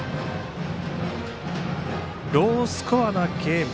ロースコアなゲーム。